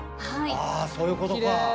あそういうことか！